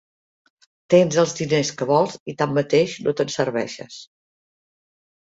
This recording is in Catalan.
Tens els diners que vols i tanmateix no te'n serveixes.